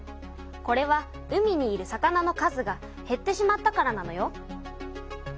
これは海にいる魚の数がへってしまったからなのよ。